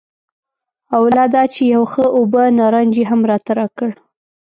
او لا دا چې یو ښه اوبه نارنج یې هم راته راکړ.